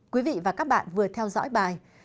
quý vị và các bạn vừa theo dõi bài